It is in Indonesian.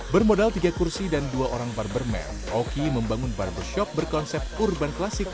bermodal tiga kursi dan dua orang barberman oki membangun barbershop berkonsep urban klasik